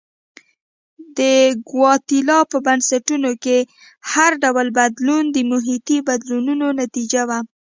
د ګواتیلا په بنسټونو کې هر ډول بدلون د محیطي بدلونونو نتیجه وه.